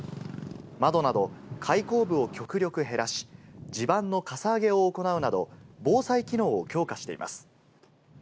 窓など、開口部を極力減らし、地盤のかさ上げを行うなど、防災機能を強化しています。